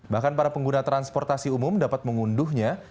bahkan para pengguna transportasi umum dapat mengunduhnya